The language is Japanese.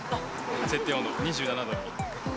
設定温度を２７度に。